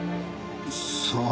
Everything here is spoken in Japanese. さあ？